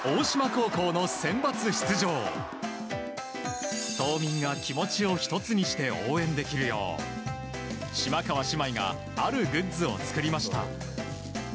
島民が気持ちをひとつにして応援できるよう島川姉妹があるグッズを作りました。